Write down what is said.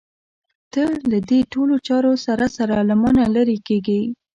ته له دې ټولو چارو سره سره له مانه لرې کېږې.